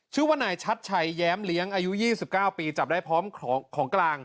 ชื่อว่านายชัดชัยแย้มเลี้ยงอายุ๒๙ปีจับได้พร้อมของกลาง